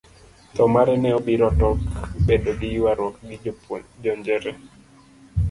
Thoo mare ne obiro tok bedo gi yuaruok gi jonjore.